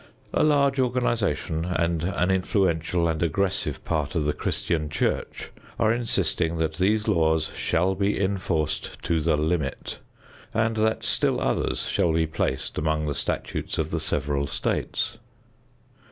A large organization and an influential and aggressive part of the Christian Church are insisting that these laws shall be enforced to the limit and that still others shall be placed among the statutes of the several states.